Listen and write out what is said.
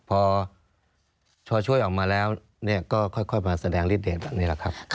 พอช่วยออกมาแล้วก็ค่อยมาแสดงฤทธเดตแบบนี้แหละครับ